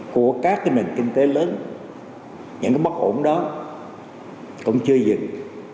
của các nền kinh tế lớn những bất ổn đó cũng chưa dừng